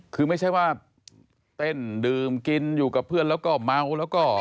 คือไม่ใช่ว่าเต้นดื่มกินอยู่กับเพื่อนแล้วก็เมาแล้วก็